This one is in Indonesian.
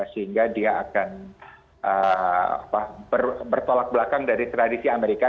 sehingga dia akan bertolak belakang dari tradisi amerika